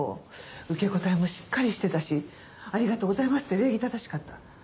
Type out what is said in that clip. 受け答えもしっかりしてたしありがとうございますって礼儀正しかった。